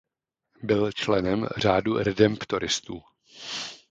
Byl členem řádu redemptoristů.